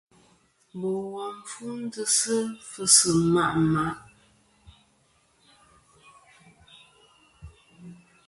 Bò wom fu ndzɨsɨ fɨsɨ ma màʼ.